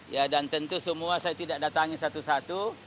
ya dan tentu semua saya tidak datangin satu satu